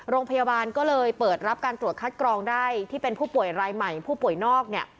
โรงพยาบาลก็เลยเปิดรับการตรวจคัดกรองได้ที่เป็นผู้ป่วยรายใหม่ผู้ป่วยนอกเนี่ย